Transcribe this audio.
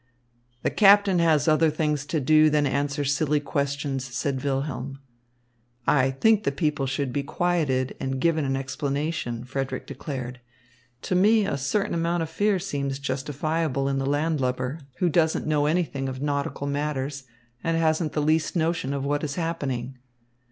"The captain has other things to do than answer silly questions," said Wilhelm. "I think the people should be quieted and given an explanation," Frederick declared. "To me a certain amount of fear seems justifiable in the landlubber, who doesn't know anything of nautical matters and hasn't the least notion of what is happening."